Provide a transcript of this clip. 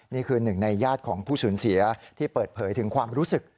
นี่คือหนึ่งในญาติของผู้สูญเสียที่เปิดเผยถึงความรู้สึก